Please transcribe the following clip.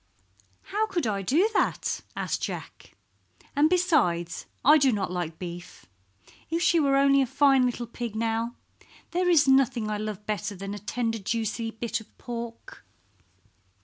"How could I do that?" asked Jack. "And besides I do not like beef. If she were only a fine little pig, now! There is nothing I love better than a tender juicy bit of pork."